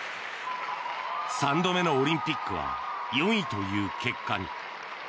３度目のオリンピックは４位という結果に。